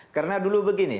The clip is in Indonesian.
karena dulu begini